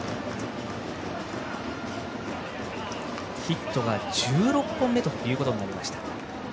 ヒットが１６本目ということになりました。